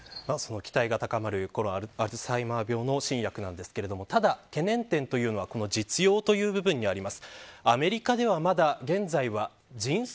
期待が高まるアルツハイマー病の新薬ですがただ懸念点というのは実用の部分にあります。